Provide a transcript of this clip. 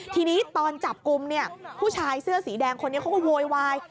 ทีนี้ตอนจับกลุ่มเนี่ยผู้ชายเสื้อสีแดงคนนี้เขาก็โวยวาย